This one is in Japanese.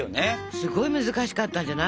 すごい難しかったんじゃない？